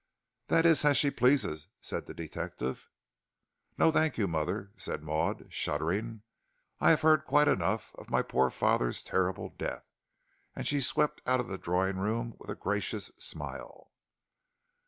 "That is as she pleases," said the detective. "No, thank you, mother," said Maud, shuddering, "I have heard quite enough of my poor father's terrible death," and she swept out of the drawing room with a gracious smile.